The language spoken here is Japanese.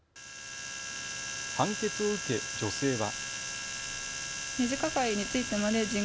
判決を受け、女性は。